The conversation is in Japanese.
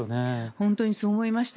本当にそう思いました。